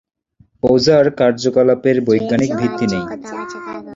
ওঝা’র কার্যকলাপের বৈজ্ঞানিক ভিত্তি নেই।